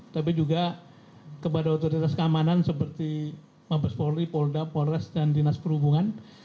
tapi juga kepada otoritas keamanan seperti mabes polri polda polres dan dinas perhubungan